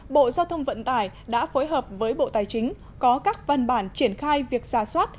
bộ giao thông vận tải đã phối hợp với bộ tài chính có các văn bản triển khai việc ra soát